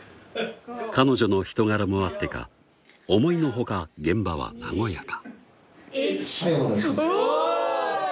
彼女の人柄もあってか思いの外現場は和やか１おぉ！